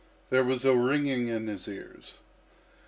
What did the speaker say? There was a ringing in his ears.